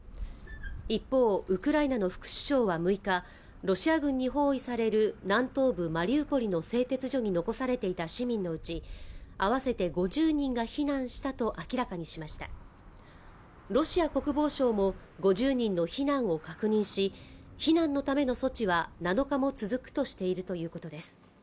一方ウクライナの副首相は６日ロシア軍に包囲される南東部マリウポリの製鉄所に残されていた市民のうち合わせて５０人が避難したと明らかにしましたロシア国防省も５０人の避難を確認し避難のための措置は７日も続くとしているということです